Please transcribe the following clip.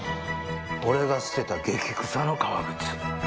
俺が捨てた激臭の革靴。